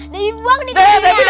debi buang nih kecilnya